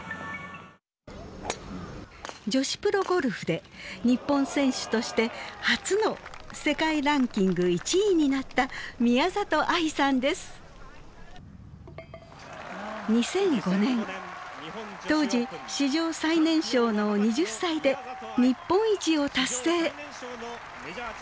女子プロゴルフで日本選手として初の世界ランキング１位になった２００５年当時史上最年少の２０歳で日本一を達成。